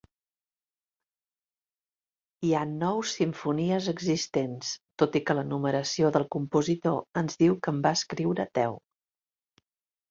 Hi ha nou simfonies existents, tot i que la numeració del compositor ens diu que en va escriure deu.